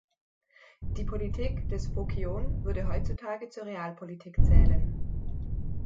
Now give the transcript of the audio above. Die Politik des Phokion würde heutzutage zur Realpolitik zählen.